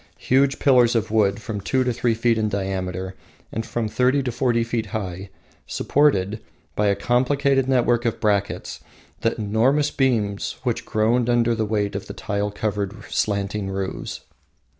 Huge pillars of wood from two to three feet in diameter and from thirty to forty feet high, supported, by a complicated network of brackets, the enormous beams which groaned under the weight of the tile covered roofs.